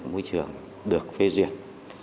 môi trường được phê duyệt